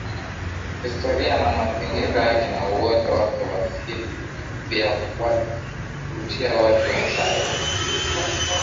Historia na mazingira yake na uoto wake wa asili vyawavutia watu wengi sana